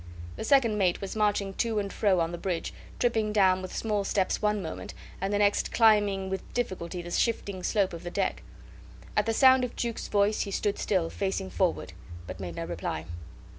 The second mate was marching to and fro on the bridge, tripping down with small steps one moment, and the next climbing with difficulty the shifting slope of the deck. At the sound of Jukes' voice he stood still, facing forward, but made no reply.